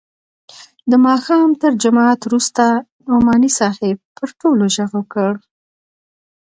د ماښام تر جماعت وروسته نعماني صاحب پر ټولو ږغ وکړ.